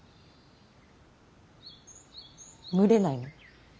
蒸れないの？